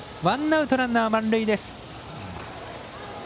ワンアウト、ランナー満塁です。